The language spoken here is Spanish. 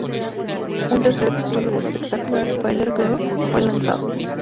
Un tercer título, "The Spectacular Spider-Girl", fue lanzado.